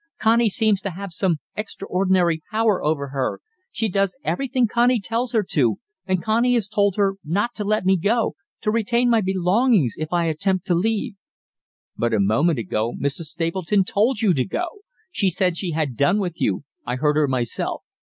Connie seems to have some extraordinary power over her. She does everything Connie tells her to, and Connie has told her not to let me go to retain my belongings if I attempt to leave." "But a moment ago Mrs. Stapleton told you to go she said she had done with you; I heard her myself."